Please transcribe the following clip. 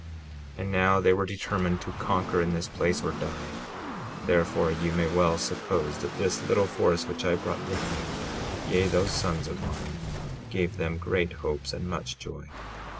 56:17 And now they were determined to conquer in this place or die; therefore you may well suppose that this little force which I brought with me, yea, those sons of mine, gave them great hopes and much joy.